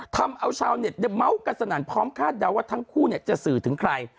ทำเอาชาวเน็ตเม้ากันสนั่นพร้อมคาดเดาว่าทั้งคู่จะสื่อถึงใคร